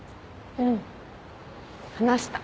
うん話した。